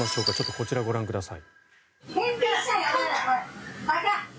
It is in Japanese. こちらをご覧ください。